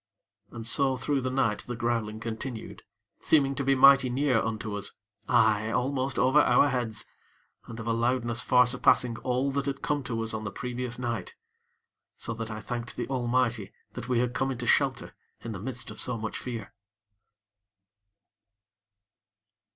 And so through the night the growling continued, seeming to be mighty near unto us aye! almost over our heads, and of a loudness far surpassing all that had come to us on the previous night; so that I thanked the Almighty that we had come into shelter in the midst of so much fear.